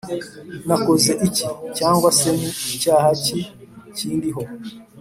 Nakoze iki? Cyangwa se ni cyaha ki kindiho?